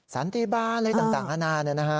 สันติบาลอะไรต่างอาณาเนี่ยนะฮะ